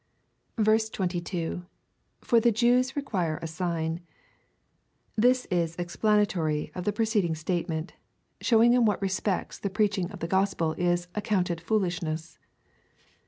22. For the Jews require a sign. This is explanatory of the preceding statement — showing in what respects the preaching of the gospel is accounted foolishness.